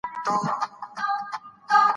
ده وویل چې د روژې له لارې خدای ته نژدې شوی.